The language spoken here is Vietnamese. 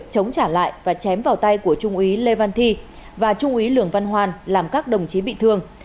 chống trả lại và chém vào tay của trung úy lê văn thi và trung úy lường văn hoàn làm các đồng chí bị thương